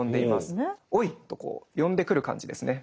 「おい！」とこう呼んでくる感じですね。